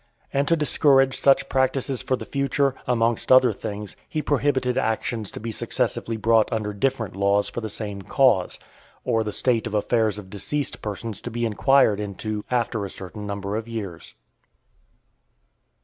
And to discourage such practices for the future, amongst other things, he prohibited actions to be successively brought under different laws for the same cause, or the state of affairs of deceased persons to be inquired into after a certain number of years.